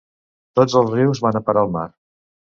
Tots els rius van a parar a la mar.